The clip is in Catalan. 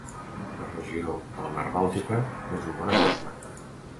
La regió de la Mar Bàltica n'és un bon exemple.